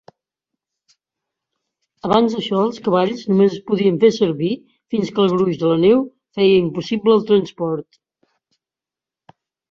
Abans d'això, els cavalls només es podien fer servir fins que el gruix de la neu feia impossible el transport.